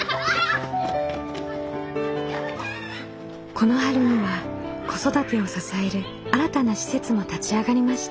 この春には子育てを支える新たな施設も立ち上がりました。